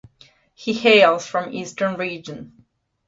He hails from Eastern region.